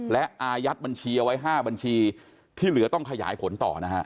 และอายัดบัญชีเอาไว้๕บัญชีที่เหลือต้องขยายผลต่อนะฮะ